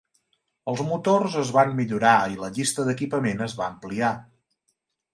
Els motors es van millorar i la llista d'equipament es va ampliar.